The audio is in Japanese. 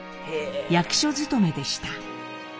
役所勤めでした。